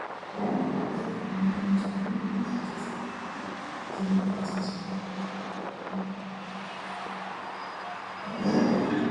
mara ya kwanza Hata hivyo haki za duma zilikuwa chache na mabadiliko